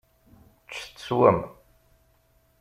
Ččet teswem.